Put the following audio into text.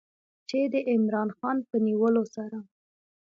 چې د عمران خان په نیولو سره